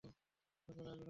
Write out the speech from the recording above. এরপরে আসবে নতুন দূর্যোগ।